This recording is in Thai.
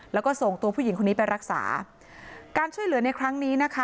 แล้วก็ส่งตัวผู้หญิงคนนี้ไปรักษาการช่วยเหลือในครั้งนี้นะคะ